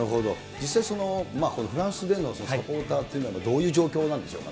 実際フランスでのサポーターっていうのはどういう状況なんでしょうか。